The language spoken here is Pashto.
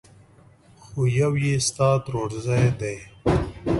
خو يو يې ستا ترورزی دی!